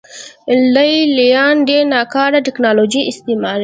لې لیان ډېره ناکاره ټکنالوژي استعملوي